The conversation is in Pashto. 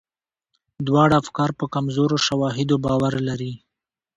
دواړه افکار په کمزورو شواهدو باور لري.